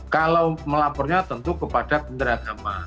kalau melaporkannya tentu kepada menteri agama